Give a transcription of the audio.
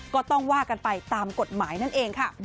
ก็ต้องว่ากันไปตามกฎหมายนั่นเองค่ะ